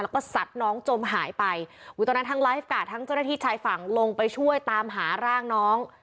แล้วก็สัดน้องจมหายไปอุ้ยตอนนั้นทั้งไลฟ์การ์ดทั้งเจ้าหน้าที่ชายฝั่งลงไปช่วยตามหาร่างน้อง